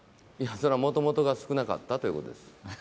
もともとが少なかったということです。